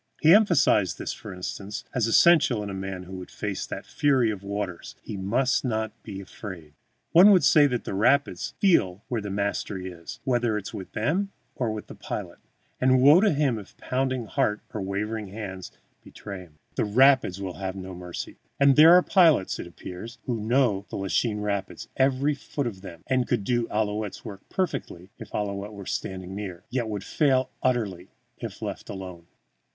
He emphasized this, for instance, as essential in a man who would face that fury of waters, he must not be afraid. One would say that the rapids feel where the mastery is, whether with them or with the pilot, and woe to him if pounding heart or wavering hand betray him. The rapids will have no mercy. And there are pilots, it appears, who know the Lachine Rapids, every foot of them, and could do Ouillette's work perfectly if Ouillette were standing near, yet would fail utterly if left alone.